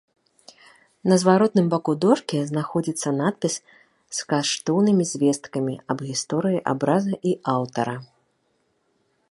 На зваротным баку дошкі знаходзіцца надпіс з каштоўнымі звесткамі аб гісторыі абраза і аўтара.